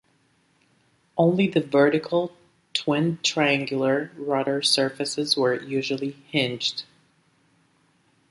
Only the vertical, twinned triangular rudder surfaces were usually hinged.